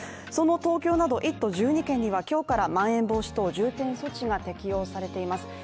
その東京など１都１２県には今日からまん延防止等重点措置が適用されています